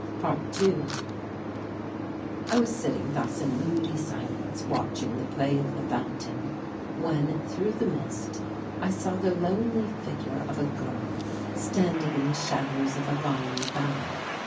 ~2~ I was sitting thus in moody silence watching the play of the fountain, when, through the mist, I saw the lonely figure of a girl standing in the shadows of a viny bower.